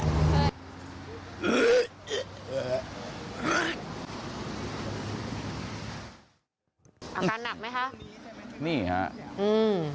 อาการหนักไหมคะ